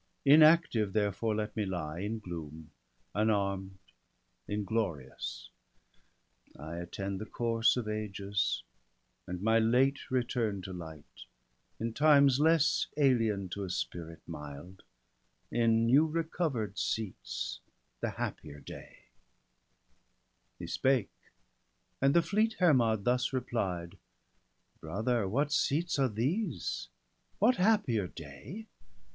Inactive therefore let me lie, in gloom. Unarm' d, inglorious ; I attend the course Of ages, and my late return to light, In times less alien to a spirit mild, In new recover'd seats, the happier day/ BALDER DEAD, 187 He spake ; and the fleet Hermod thus replied :—' Brother, what seats are these, what happier day